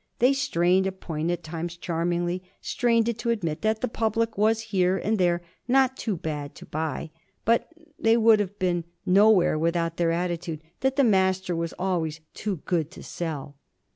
They strained a point at times charmingly, strained it to admit that the public was here and there not too bad to buy; but they would have been nowhere without their attitude that the Master was always too good to sell.